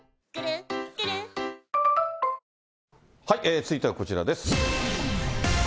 続いてはこちらです。